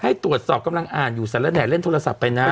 ให้ตรวจสอบกำลังอ่านอยู่สารแดดเล่นโทรศัพท์ไปนะ